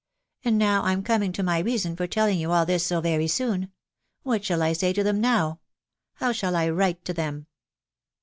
... And now I'm coming to my reason for tell ing you all this so very soon. ... What shall I say to now? How shall I write to them?"